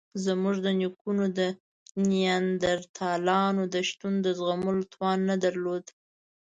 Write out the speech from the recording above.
زموږ نیکونو د نیاندرتالانو د شتون د زغملو توان نه درلود.